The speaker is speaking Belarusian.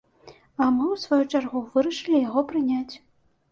А мы, у сваю чаргу, вырашылі яго прыняць.